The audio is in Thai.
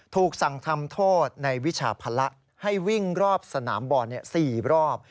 ถูกสั่งทำโทษในวิชาภาระให้วิ่งรอบสนามบอล๔รอบ